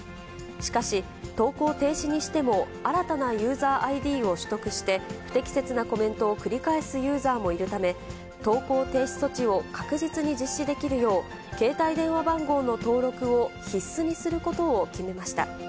しかし、投稿停止にしても新たなユーザーＩＤを取得して、不適切なコメントを繰り返すユーザーもいるため、投稿停止措置を確実に実施できるよう、携帯電話番号の登録を必須にすることを決めました。